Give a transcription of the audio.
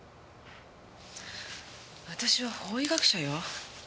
私は法医学者よ